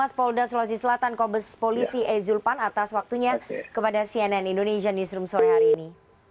pak bituma polodasolusi selatan kobes polisi ejulpan atas waktunya kepada cnn indonesian newsroom sore hari ini